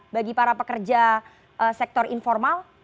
bagi para pekerja sektor informal